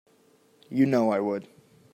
You know I would.